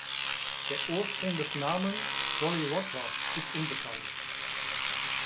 Der Ursprung des Namens "Jolly Roger" ist unbekannt.